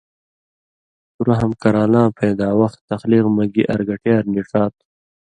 تُو رحم کران٘لاں پَیداوخ (تخلیق) مہ گی ارگٹیار نی ڇا تُھو؛